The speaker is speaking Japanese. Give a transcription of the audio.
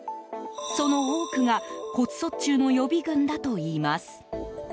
その多くが骨卒中の予備軍だといいます。